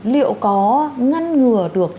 liệu có ngăn ngừa được